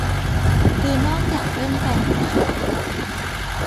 คือนอกจากเรื่องแรงงาน